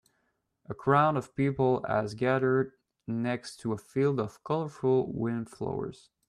A crowd of people has gathered next to a field of colorful wildflowers.